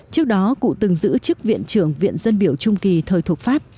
trước đó cụ từng giữ chức viện trưởng viện dân biểu trung kỳ thời thuộc pháp